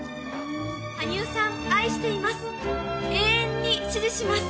羽生さん、愛しています。